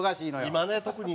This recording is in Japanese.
今ね特に。